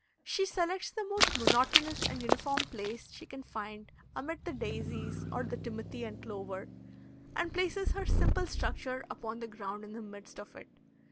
She selects the most monotonous and uniform place she can find amid the daisies or the timothy and clover, and places her simple structure upon the ground in the midst of it.